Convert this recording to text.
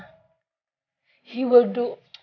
dia akan melakukan